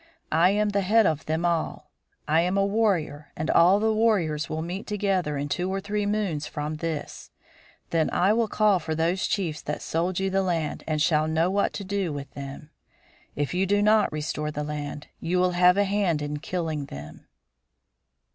I am the head of them all; I am a warrior, and all the warriors will meet together in two or three moons from this; then I will call for those chiefs that sold you the land and shall know what to do with them. If you do not restore the land, you will have a hand in killing them."